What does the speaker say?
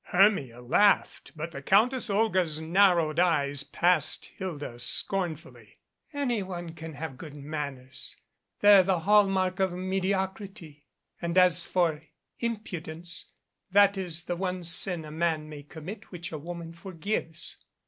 Hermia laughed but the Countess Olga's narrowed eyes passed Hilda scornfully. "Any one can have good manners. They're the hall mark of mediocrity. And as for impudence that is the one sin a man may commit which a woman forgives."